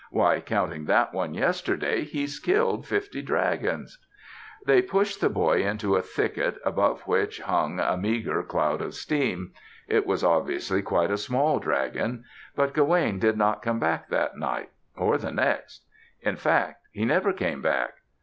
"Why, counting that one yesterday, he's killed fifty dragons." They pushed the boy into a thicket above which hung a meager cloud of steam. It was obviously quite a small dragon. But Gawaine did not come back that night or the next. In fact, he never came back.